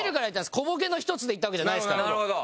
小ボケの一つで言ったわけじゃないですから。